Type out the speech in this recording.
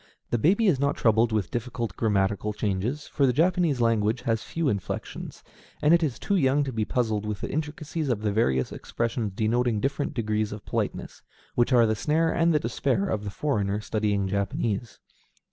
The baby is not troubled with difficult grammatical changes, for the Japanese language has few inflections; and it is too young to be puzzled with the intricacies of the various expressions denoting different degrees of politeness, which are the snare and the despair of the foreigner studying Japanese.